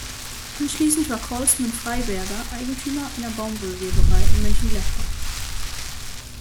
Anschließend war Colsman-Freyberger Eigentümer einer Baumwollweberei in Mönchengladbach.